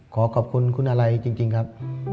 ขอขอบคุณคุณอะไรจริงครับ